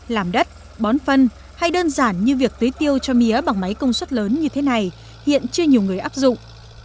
làm đất bón phân hay đơn giản như việc tưới tiêu cho mía bằng máy công suất lớn như thế này hiện chưa nhiều người áp dụng